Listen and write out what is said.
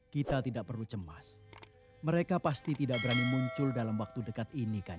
kita tidak perlu cemas mereka pasti tidak berani muncul dalam waktu dekat ini kan